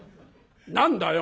何だよ？」。